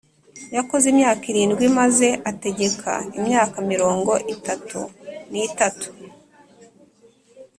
yakoze imyaka irindwi maze ategeka imyaka mirongo itatu n itatu